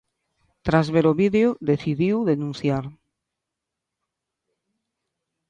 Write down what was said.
Tras ver o vídeo, decidiu denunciar.